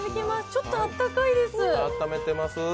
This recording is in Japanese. ちょっと温かいです。